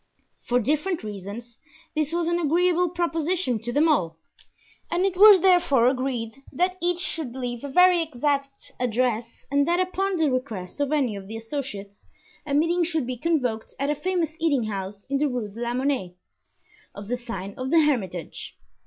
For different reasons this was an agreeable proposition to them all, and it was therefore agreed that each should leave a very exact address and that upon the request of any of the associates a meeting should be convoked at a famous eating house in the Rue de la Monnaie, of the sign of the Hermitage.